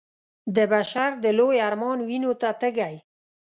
د بشر د لوی ارمان وينو ته تږی